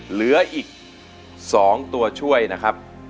เหลืออีก๒ตัวช่วยนะครับ